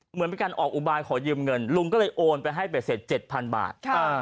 เหมือนเป็นการออกอุบายขอยืมเงินลุงก็เลยโอนไปให้เบ็ดเสร็จ๗๐๐บาท